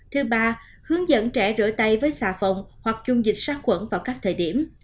thứ ba hướng dẫn trẻ rửa tay với xà phòng hoặc dung dịch sát khuẩn vào các thời điểm